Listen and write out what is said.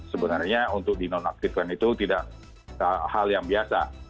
sebenarnya untuk di nonaktifkan itu tidak hal yang biasa